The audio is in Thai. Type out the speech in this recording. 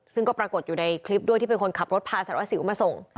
ซึ่งก็ปรากฏอยู่ในคลิปด้วยที่เป็นคนขับรถพาสารวัสสิวมาส่ง